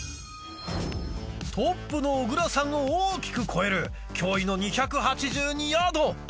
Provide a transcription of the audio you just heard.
トップの小椋さんを大きく越える驚異の２８２ヤード。